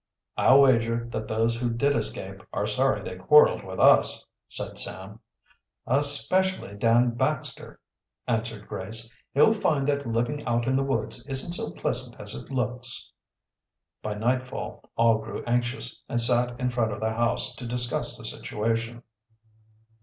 "I'll wager that those who did escape are sorry they quarreled with us," said Sam. "Especially Dan Baxter," answered Grace. "He'll find that living out in the woods isn't so pleasant as it looks." By nightfall all grew anxious, and sat in front of the house to discuss the situation.